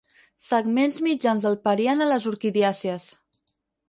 Segments mitjans del periant a les orquidiàcies.